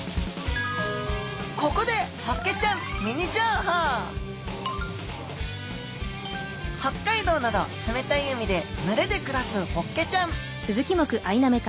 ここで北海道など冷たい海で群れで暮らすホッケちゃん。